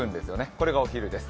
これがお昼です。